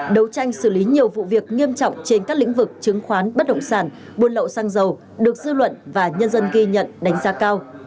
đấu tranh xử lý nhiều vụ việc nghiêm trọng trên các lĩnh vực chứng khoán bất động sản buôn lậu xăng dầu được dư luận và nhân dân ghi nhận đánh giá cao